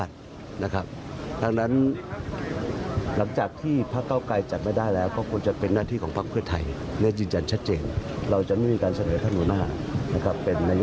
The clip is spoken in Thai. ส่วนต่างที่ไม่ได้คอนซับ